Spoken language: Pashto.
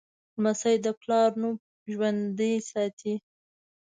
لمسی د پلار نوم ژوندی ساتي.